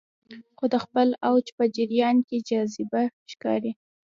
خو د خپل اوج په جریان کې جذابه ښکاري